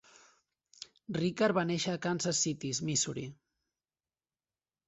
Rickard va néixer a Kansas City, Missouri.